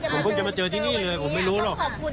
ผมเพิ่งจะมาเจอที่นี่เลยผมไม่รู้หรอก